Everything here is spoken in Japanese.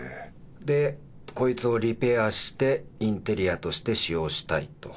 でこいつをリペアしてインテリアとして使用したいと？